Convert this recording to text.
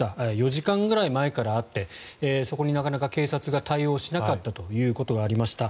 ４時間ぐらい前からあってそこになかなか警察が対応しなかったということがありました。